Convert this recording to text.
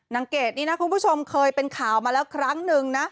เกดนี้นะคุณผู้ชมเคยเป็นข่าวมาแล้วครั้งหนึ่งนะ